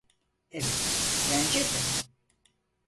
Evet, bence de.